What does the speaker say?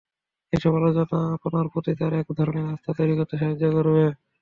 এসব আলোচনা আপনার প্রতি তার একধরনের আস্থা তৈরি করতে সাহায্য করবে।